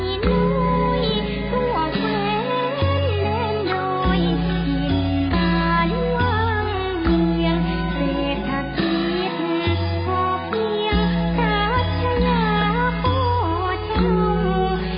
กินบ้านหวั่งเมืองเสร็จถ้าคิดก็เพียงจัดชะยาพ่อเช้าคิดค่าเตียงเต้าตุงบรรยา